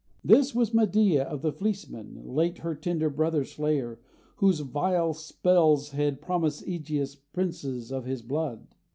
This was Medea of the Fleecemen, late Her tender brother's slayer, whose vile spells Had promised Ægeus princes of his blood.